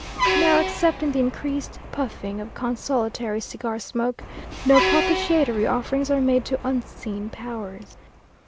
Now, except in the increased puffing of consolatory cigar smoke, no propitiatory offerings are made to unseen powers.